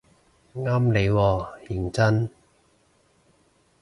啱你喎認真